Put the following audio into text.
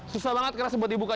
susah banget keras buat dibuka